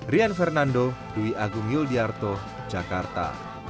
rian fernando dwi agung yul di arto jakarta